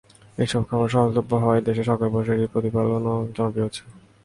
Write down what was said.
এসব খাবার সহজলভ্য হওয়ায় দেশে শখের বশে এটির প্রতিপালনও জনপ্রিয় হচ্ছে।